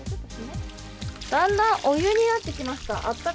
だんだんお湯になってきました。